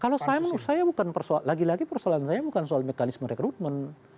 kalau saya menurut saya bukan persoalan lagi lagi persoalan saya bukan soal mekanisme rekrutmen